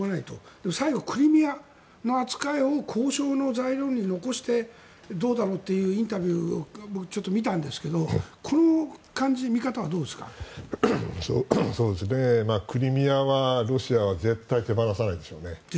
でも最後、クリミアの扱いを交渉の材料に残してどうだろうというインタビューを僕ちょっと見たんですがクリミアはロシアは絶対に手放さないでしょうね。